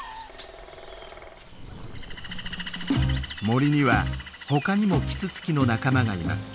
森にはほかにもキツツキの仲間がいます。